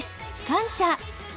感謝！